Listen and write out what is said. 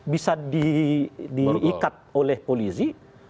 bisa diikat oleh polisi